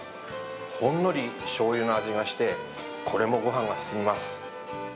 ほんのりしょうゆの味がして、これもごはんが進みます。